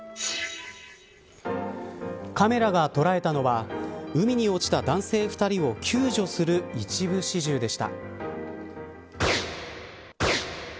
カメラが捉えたのは海に落ちた男性２人を救助する一部始終でした。